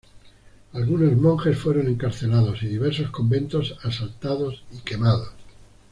Algunos monjes fueron encarcelados y diversos conventos asaltados y quemados.